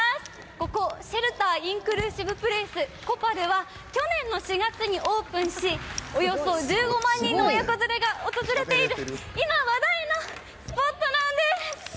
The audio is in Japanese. ここ、シェルターインクルーシブプレイスコパルでは、去年４月にオープンし、およそ１５万人の親子連れが訪れている今話題のスポットなんです。